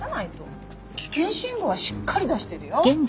危険信号はしっかり出してるよ。